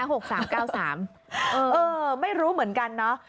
ไม่รู้เหมือนกันเนาะ